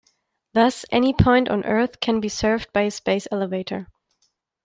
Thus, any point on Earth can be served by a space elevator.